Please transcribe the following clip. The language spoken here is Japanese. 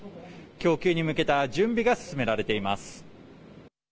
供給に向けた準備が進められています。